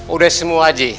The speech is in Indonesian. udah semua ji